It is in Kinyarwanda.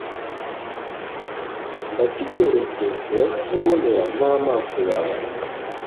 ndakikweretse, uracyibonera n'amaso yawe